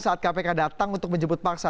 saat kpk datang untuk menjemput paksa